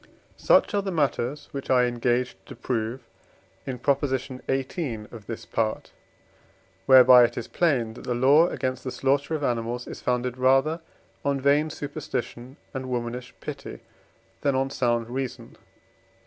Honestas Such are the matters which I engaged to prove in Prop. xviii. of this Part, whereby it is plain that the law against the slaughtering of animals is founded rather on vain superstition and womanish pity than on sound reason.